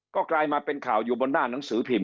ก็กลายมาเป็นข่าวอยู่บนหน้าหนังสือพิมพ